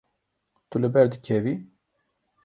Tu li ber dikevî.